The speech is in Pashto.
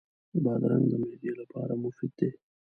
بادرنګ د معدې لپاره مفید دی.